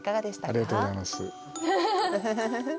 ありがとうございます。